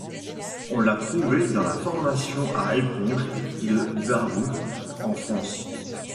On l'a trouvée dans la formation à éponges de Barrou, en France.